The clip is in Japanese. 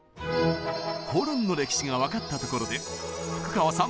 ホルンの歴史が分かったところで福川さん！